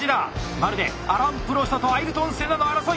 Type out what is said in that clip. まるでアラン・プロストとアイルトン・セナの争い。